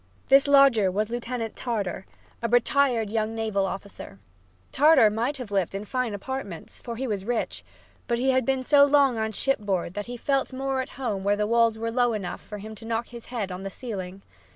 This lodger was Lieutenant Tartar, a retired young naval officer. Tartar might have lived in fine apartments, for he was rich, but he had been so long on shipboard that he felt more at home where the walls were low enough for him to knock his head on the ceiling.